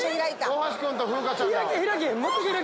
大橋君と風花ちゃんが。